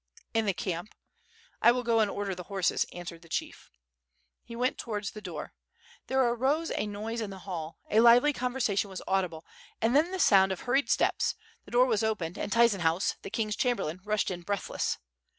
"in the camp. I will go and order the horses," answered the chief. He went towards the door. There arose a noise in the hall, a lively conversation was audible, then the sound of hurried steps; the door was opened and Tyzenhauz, the king's chamberlain, rushed in breathless.